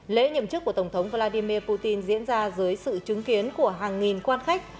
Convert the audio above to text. lễ nhậm chức của tổng thống vladimir putin diễn ra dưới sự chứng kiến của hàng nghìn quan khách